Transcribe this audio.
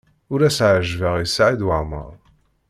Ur as-ɛejjbeɣ i Saɛid Waɛmaṛ.